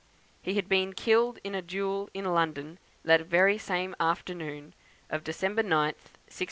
He had been killed in a duel in London that very same afternoon of December 9th, 1684.